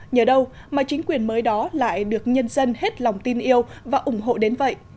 nhờ đâu mà chính quyền mới đó lại được nhân dân hết lòng tin yêu và ủng hộ đến vậy